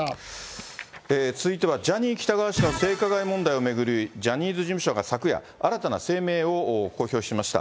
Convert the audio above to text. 続いてはジャニー喜多川氏の性加害問題を巡り、ジャニーズ事務所が昨夜、新たな声明を公表しました。